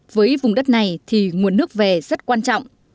với vùng đất này thì nguồn nước về rất quan trọng